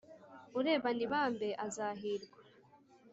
urebana ibambe azahirwa